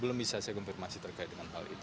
belum bisa saya konfirmasi terkait dengan hal itu